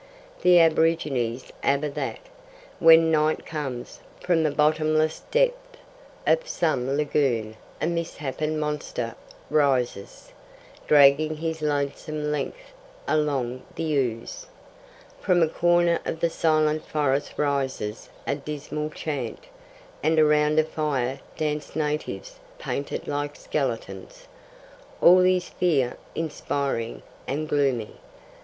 The aborigines aver that, when night comes, from the bottomless depth of some lagoon a misshapen monster rises, dragging his loathsome length along the ooze. From a corner of the silent forest rises a dismal chant, and around a fire dance natives painted like skeletons. All is fear inspiring and gloomy.